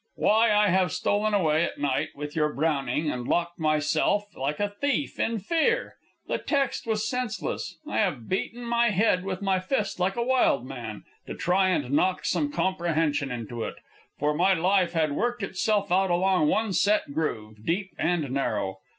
"Why, I have stolen away, at night, with your Browning, and locked myself in like a thief in fear. The text was senseless, I have beaten my head with my fist like a wild man, to try and knock some comprehension into it. For my life had worked itself out along one set groove, deep and narrow.